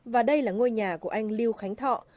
và đây là ngôi nhà của anh lưu khánh thọ